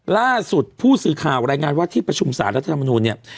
ล่าสุดผู้สื่อข่าวรายงานว่าที่ประชุมสารรัฐธรรมนูลเนี่ย